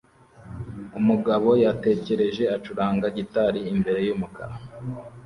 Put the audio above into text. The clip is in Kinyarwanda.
Umugabo yatekereje acuranga gitari imbere yumukara